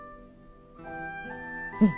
うん。